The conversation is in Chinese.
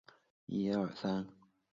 建筑二层和三层为大展厅。